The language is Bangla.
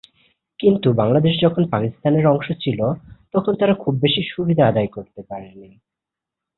কিন্তু বাংলাদেশ যখন পাকিস্তানের অংশ ছিলো, তখন তারা খুব বেশি সুবিধা আদায় করতে পারে নি।